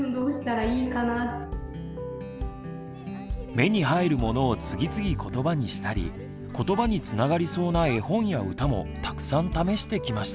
目に入るものを次々ことばにしたりことばにつながりそうな絵本や歌もたくさん試してきました。